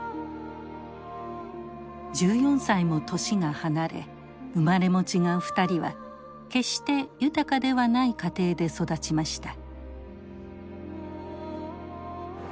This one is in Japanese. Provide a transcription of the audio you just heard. １４歳も年が離れ生まれも違う２人は決して豊かではない家庭で育ちました。